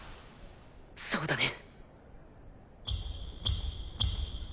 そうだね。